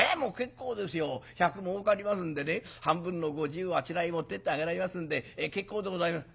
百儲かりますんでね半分の五十をあちらに持っていってあげられますんで結構でございます」。